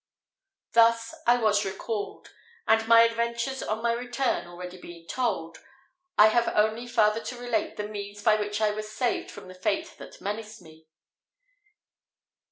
Thus I was recalled; and my adventures on my return being already told, I have only farther to relate the means by which I was saved from the fate that menaced me.